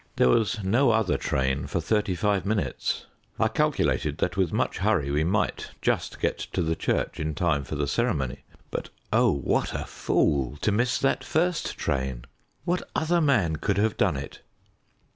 There was no other train for thirty five minutes; I calculated that, with much hurry, we might just get to the church in time for the ceremony; but, oh, what a fool to miss that first train! What other man could have done it?